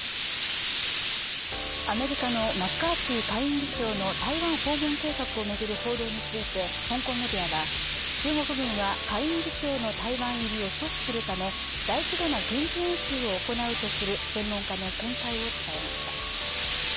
アメリカのマッカーシー下院議長の台湾訪問計画を巡る報道について香港メディアは中国軍は下院議長の台湾入りを阻止するため大規模な軍事演習を行うとする専門家の見解を伝えました。